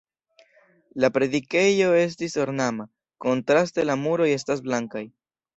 La predikejo estis ornama, kontraste la muroj estas blankaj.